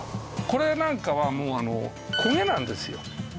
これなんかはもうコゲなんですよ。